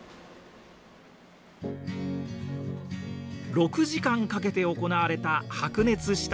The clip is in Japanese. ６時間かけて行われた白熱した議論。